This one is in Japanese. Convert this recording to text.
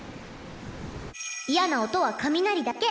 嫌な音は雷だけ。